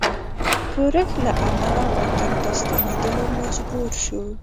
ښورښ له امله وطن ته ستنېدلو مجبور شو.